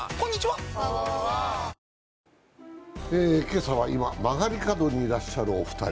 今朝は今、曲がり角にいらっしゃるお二人。